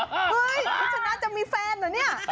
เฮ้ยคุณชนะจะมีแฟนเหรอเนี่ย